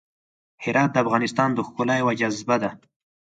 هرات د افغانستان د ښکلا یوه جاذبه ده.